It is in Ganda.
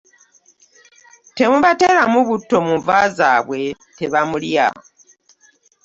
Temubateeramu butto munva zabwe ,tebamulya.